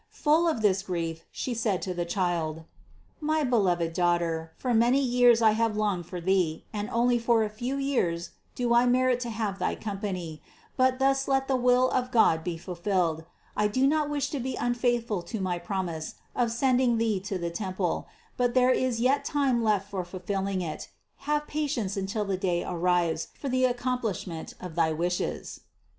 Full of this grief she said to the Child : "My beloved Daughter, for many years I have longed for Thee and only for a few years do I merit to have thy company; but thus let the will of God be fulfilled ; I do not wish to be unfaith ful to my promise of sending Thee to the temple, but there is yet time left for fulfilling it : have patience until the day arrives for the accomplishment of thy wishes."